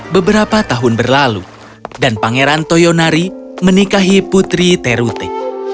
beberapa tahun berlalu dan pangeran toyonari menikahi putri terute